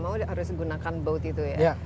mau harus gunakan boat itu ya